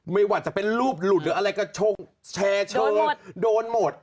ไม่ว่าจะเป็นรูปหลุดหรืออะไรก็แชร์โชว์โดนหมด